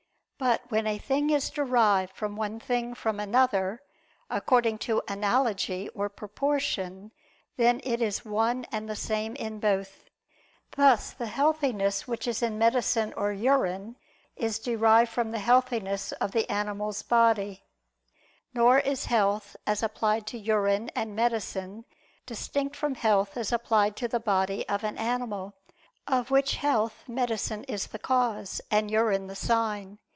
But when a thing is derived from one thing from another, according to analogy or proportion, then it is one and the same in both: thus the healthiness which is in medicine or urine is derived from the healthiness of the animal's body; nor is health as applied to urine and medicine, distinct from health as applied to the body of an animal, of which health medicine is the cause, and urine the sign.